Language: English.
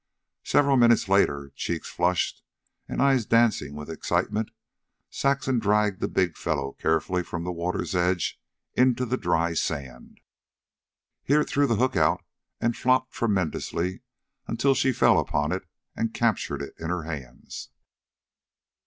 Several minutes later, cheeks flushed and eyes dancing with excitement, Saxon dragged the big fellow carefully from the water's edge into the dry sand. Here it threw the hook out and flopped tremendously until she fell upon it and captured it in her hands.